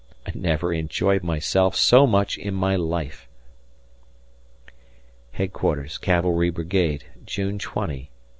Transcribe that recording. I never enjoyed myself so much in my life. ... Headquarters Cavalry Brigade, June 20, 1862.